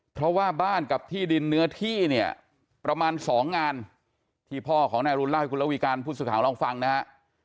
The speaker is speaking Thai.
เพราะว่าบ้านกับที่ดินเนื้อที่เนี่ยประมาณ๒งานที่พ่อของนายรุนเล่าให้คุณระวีการผู้สื่อข่าวลองฟังนะฮะ